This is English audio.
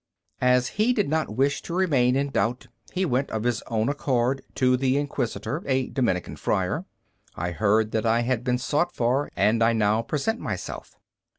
As he did not wish to remain in doubt, he went of his own accord to the Inquisitor, a Dominican friar. "I heard that I had been sought for, and I now present myself."